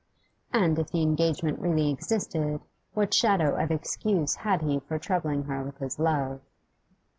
And if the engagement really existed, what shadow of excuse had he for troubling her with his love?